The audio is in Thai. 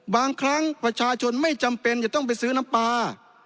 บางครั้งประชาชนไม่จำเป็นจะต้องไปซื้อน้ำปลา